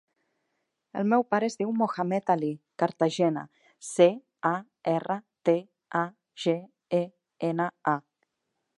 El meu pare es diu Mohamed ali Cartagena: ce, a, erra, te, a, ge, e, ena, a.